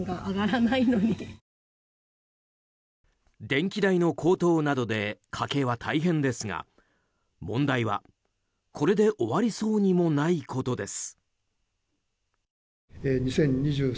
電気代の高騰などで家計は大変ですが問題は、これで終わりそうにもないことです。